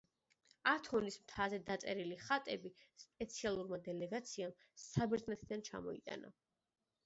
ათონის მთაზე დაწერილი ხატები სპეციალურმა დელეგაციამ საბერძნეთიდან ჩამოიტანა.